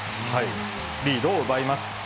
リードを奪います。